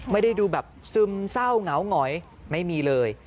ไม่ได้ดูแบบซึมเศร้าเหงาหงอยไม่มีเลย